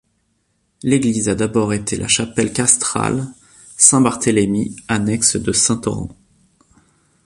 L'église a d'abord été la chapelle castrale Saint-Barthélemy, annexe de Saint-Orens.